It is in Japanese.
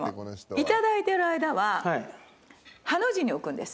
いただいてる間はハの字に置くんです。